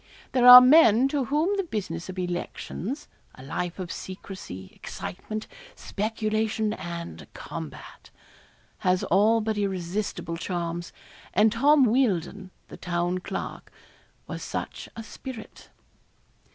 There are men to whom the business of elections a life of secrecy, excitement, speculation, and combat has all but irresistible charms; and Tom Wealdon, the Town Clerk, was such a spirit.